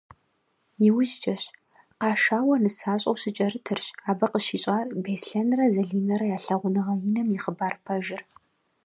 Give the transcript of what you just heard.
Иужькӏэщ, къашауэ нысащӏэу щыкӏэрытырщ, абы къыщищӏар Беслъэнрэ Залинэрэ я лъагъуныгъэ иным и хъыбар пэжыр.